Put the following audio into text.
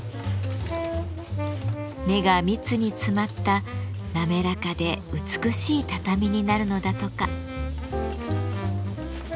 目が密に詰まった滑らかで美しい畳になるのだとか。